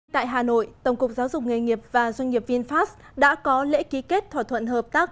tại hà nội tổng cục giáo dục nghề nghiệp và doanh nghiệp vinfast đã có lễ ký kết thỏa thuận hợp tác